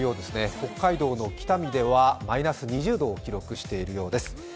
北海道の北見ではマイナス２０度を記録しているようです。